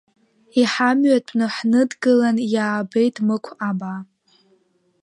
Иҳамҩатәны ҳныдгылан иаабеит Мықә абаа.